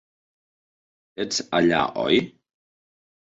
Ets allà, oi?